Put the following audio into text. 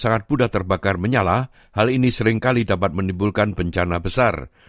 sangat mudah terbakar menyala hal ini seringkali dapat menimbulkan bencana besar